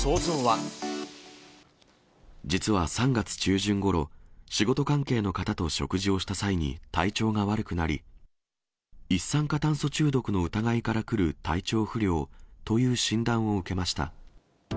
実は３月中旬ごろ、仕事関係の方と食事をした際に体調が悪くなり、一酸化炭素中毒の疑いからくる体調不良という診断を受けました。